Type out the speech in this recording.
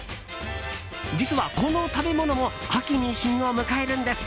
実は、この食べ物も秋に旬を迎えるんです。